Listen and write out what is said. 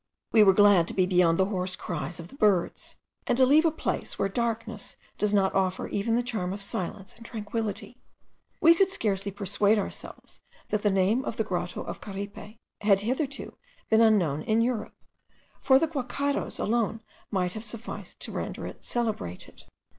We were glad to be beyond the hoarse cries of the birds, and to leave a place where darkness does not offer even the charm of silence and tranquillity. We could scarcely persuade ourselves that the name of the Grotto of Caripe had hitherto been unknown in Europe;* for the guacharos alone might have sufficed to render it celebrated.